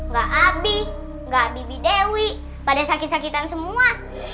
gak abi gak bibi dewi pada sakit sakitan semua